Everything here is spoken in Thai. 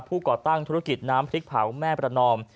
ก่อตั้งธุรกิจน้ำพริกเผาแม่ประนอม